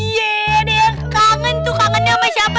yee deh kangen tuh kangen sama siapa